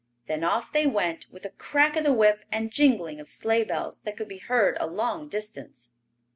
Then off they went, with a crack of the whip and jingling of sleigh bells that could be heard a long distance.